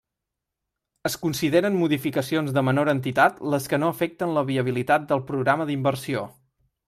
Es consideren modificacions de menor entitat les que no afecten la viabilitat del programa d'inversió.